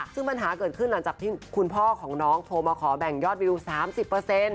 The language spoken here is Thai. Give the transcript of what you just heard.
ซึ่งปัญหาเกิดขึ้นหลังจากที่คุณพ่อของน้องโทรมาขอแบ่งยอดรีวิว๓๐